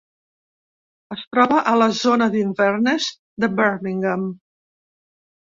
Es troba a la zona d'Inverness de Birmingham.